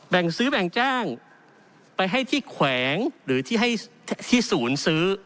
แบ่งซื้อแบ่งจ้างไปให้ที่แขวงหรือที่ศูนย์ซื้อ